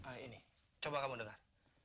eh ini coba kamu dengar